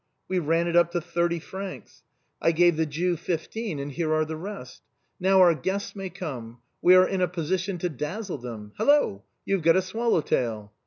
We ran it up to thirty francs. I gave the Jew fifteen, and here are the rest. Now our guests may come ; we are in a position to dazzle them. Hello ! you have got a swallow tail